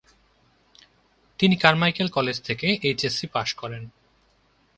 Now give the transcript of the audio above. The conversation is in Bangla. তিনি কারমাইকেল কলেজ থেকে এইচএসসি পাস করেন।